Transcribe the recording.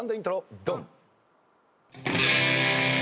ドン！